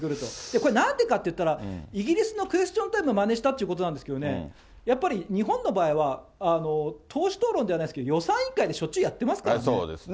これ、なんでかって言ったら、イギリスのクエスチョンタイムをまねしたっていうことなんですけれどもね、やっぱり日本の場合は、党首討論ではないんですけれども、予算委員会でしょっちゅうやってますからね。